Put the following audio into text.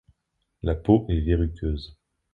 La peau est verruqueuse.